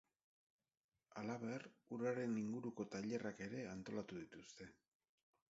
Halaber, uraren inguruko tailerrak ere antolatu dituzte.